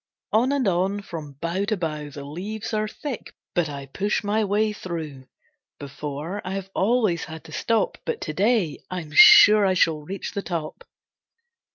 On and on, from bough to bough, The leaves are thick, but I push my way through; Before, I have always had to stop, But to day I am sure I shall reach the top.